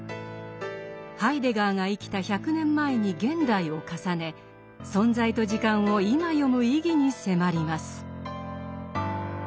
ハイデガーが生きた１００年前に現代を重ね「存在と時間」を今読む意義に迫ります。